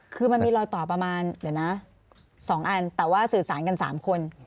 คือมันมีรอยต่อประมาณเดี๋ยวนะ๒อันแต่ว่าสื่อสารกัน๓คน